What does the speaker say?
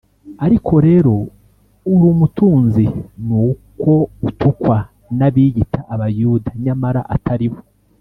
(ariko rero uri umutunzi), n’uko utukwa n’abiyita Abayuda nyamara atari bo,